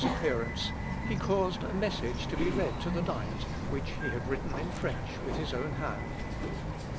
The day after Luther's appearance, he caused a message to be read to the Diet, which he had written in French, with his own hand.